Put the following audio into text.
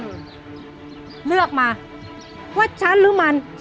พี่จอมตลอดสิบเอ็ดปีที่ผ่านมาพี่โกหกฉันมาตลอดเลยเหรอ